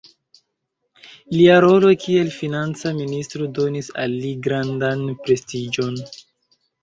Lia rolo kiel financa ministro donis al li grandan prestiĝon.